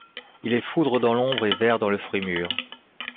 Il est foudre dans l’ombre et ver dans le fruit mûr.